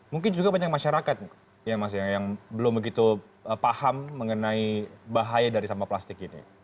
mungkin teman teman masih yang belum paham bahwa bahaya dari sampah plastik ini